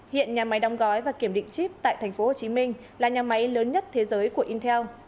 hiện nhà máy đóng gói và kiểm định chip tại tp hcm là nhà máy lớn nhất thế giới của intel